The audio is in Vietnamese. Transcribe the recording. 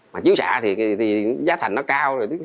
mà chiếu xạ thì giá thành nó cao